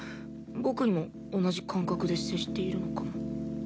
僕にも同じ感覚で接しているのかも。